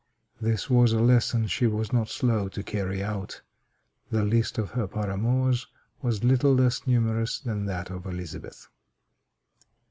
This was a lesson she was not slow to carry out. The list of her paramours was little less numerous than that of Elizabeth.